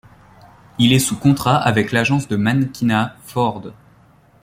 Il est sous contrat avec l'agence de mannequinat Ford.